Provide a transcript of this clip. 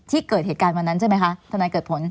เกิดเหตุการณ์วันนั้นใช่ไหมคะธนายเกิดผล